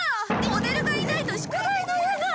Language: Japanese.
モデルがいないと宿題の絵が！